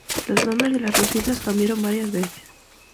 Los nombres de las dos islas cambiaron varias veces.